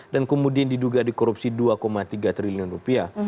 dan kemudian diduga di korupsi dua tiga triliun rupiah